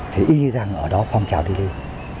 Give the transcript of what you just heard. thì y rằng ở đó phong trào đi lên